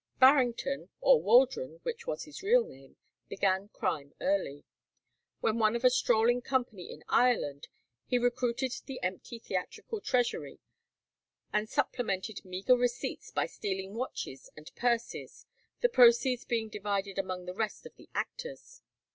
Barrington, or Waldron, which was his real name, began crime early. When one of a strolling company in Ireland, he recruited the empty theatrical treasury and supplemented meagre receipts by stealing watches and purses, the proceeds being divided among the rest of the actors.